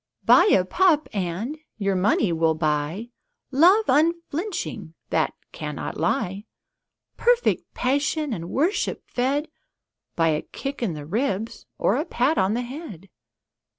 Buy a pup and your money will buy Love unflinching that cannot lie Perfect passion and worship fed By a kick in the ribs or a pat on the head.